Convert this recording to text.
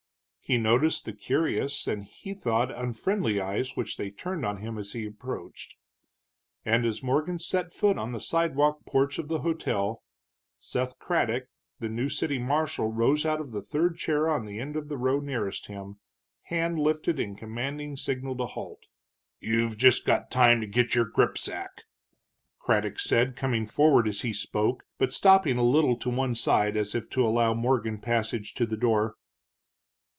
He noticed the curious and, he thought, unfriendly eyes which they turned on him as he approached. And as Morgan set foot on the sidewalk porch of the hotel, Seth Craddock, the new city marshal, rose out of the third chair on the end of the row nearest him, hand lifted in commanding signal to halt. "You've just got time to git your gripsack," Craddock said, coming forward as he spoke, but stopping a little to one side as if to allow Morgan passage to the door.